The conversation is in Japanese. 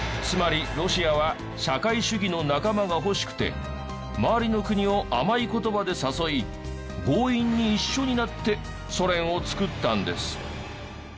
つまりロシアは社会主義の仲間が欲しくて周りの国を甘い言葉で誘い強引に一緒になってソ連を作ったんです。